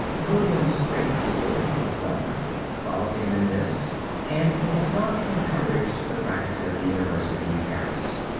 William's great pupil, Lanfranc, followed him in this, and Lanfranc encouraged the practise at the University of Paris.